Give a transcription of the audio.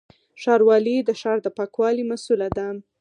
ښاروالي د ښار د پاکوالي مسووله ده